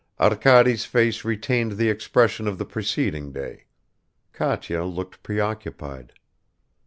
Arkady's face retained the expression of the preceding day; Katya looked preoccupied.